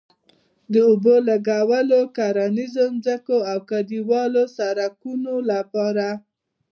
د اوبه لګولو، کرنيزو ځمکو او کلیوالو سړکونو لپاره